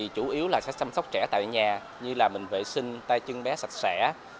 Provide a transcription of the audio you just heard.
chủ yếu là sẽ chăm sóc trẻ tại nhà như là mình vệ sinh tay chân bé sạch sẽ